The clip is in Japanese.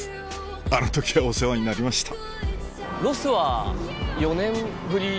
あの時はお世話になりました